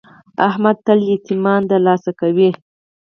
احمد تل یتمیان دلاسه کوي.